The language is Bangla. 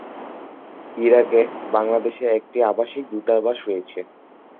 ইরাকে বাংলাদেশে একটি আবাসিক দূতাবাস রয়েছে।